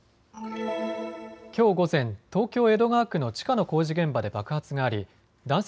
きょう午前、東京江戸川区の地下の工事現場で爆発があり男性